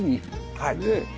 はい。